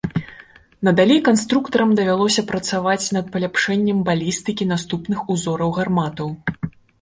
Надалей канструктарам давялося працаваць над паляпшэннем балістыкі наступных узораў гарматаў.